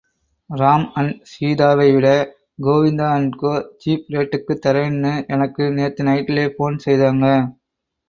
Ram and சீதாவைவிட Govinda and co, cheap ரேட்டுக்குத் தரேன்னு எனக்கு நேத்து நைட்லே போன் செய்தாங்க.